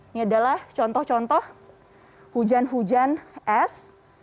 ini adalah contoh contoh hujan hujan es